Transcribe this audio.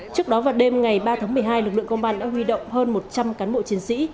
trước đó vào đêm ngày ba tháng một mươi hai lực lượng công an đã huy động hơn một trăm linh cán bộ chiến sĩ